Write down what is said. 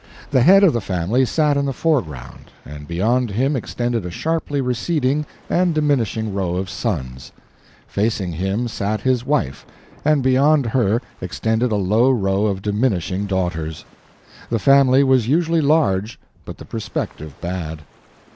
The head of the family sat in the foreground, and beyond him extended a sharply receding and diminishing row of sons; facing him sat his wife, and beyond her extended a low row of diminishing daughters. The family was usually large, but the perspective bad.